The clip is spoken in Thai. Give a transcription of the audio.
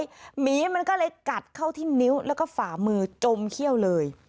หมีมันก็เลยกัดเข้าที่นิ้วแล้วก็ฝ่ามือจมเขี้ยวเลย